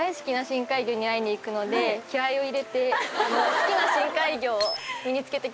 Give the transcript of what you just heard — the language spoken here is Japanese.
好きな深海魚を身に着けてきました。